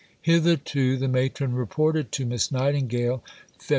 "Hitherto," the Matron reported to Miss Nightingale (Feb.